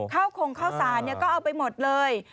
เข้าโครงเข้าศาลก็เอาไปหมดเลย